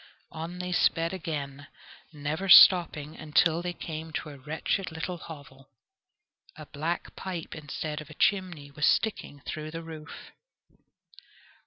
On they sped again, never stopping until they came to a wretched little hovel. A black pipe instead of a chimney was sticking through the roof.